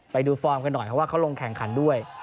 ฟอร์มกันหน่อยเพราะว่าเขาลงแข่งขันด้วย